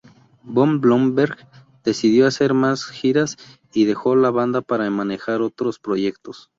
Von Blomberg decidió hacer más giras y dejó la banda para manejar otros proyectos.